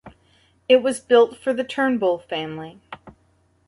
It was built for the Turnbull family.